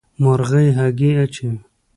مرغۍ هګۍ اچوي.